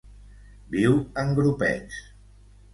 Viu en grupets.